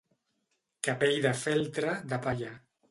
Capell de feltre, de palla.